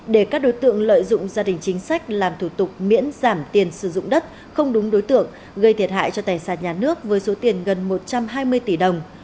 để các đối tượng lợi dụng gia đình chính sách làm thủ tục miễn giảm tiền sử dụng đất không đúng đối tượng gây thiệt hại cho tài sản nhà nước với số tiền gần một trăm hai mươi tỷ đồng